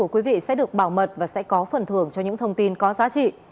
quý vị sẽ được bảo mật và sẽ có phần thưởng cho những thông tin có giá trị